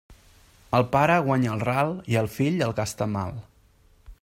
El pare guanya el ral i el fill el gasta mal.